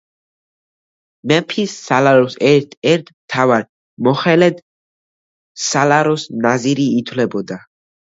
მეფის სალაროს ერთ-ერთ მთავარ მოხელედ სალაროს ნაზირი ითვლებოდა.